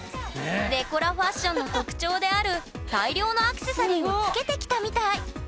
デコラファッションの特徴である大量のアクセサリーをつけてきたみたい。